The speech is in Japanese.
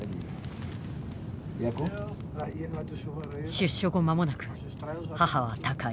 出所後間もなく母は他界。